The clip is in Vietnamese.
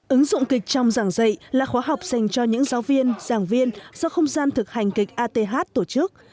ứng dụng kịch trong giảng dạy là khóa học dành cho những giáo viên giảng viên do không gian thực hành kịch ath tổ chức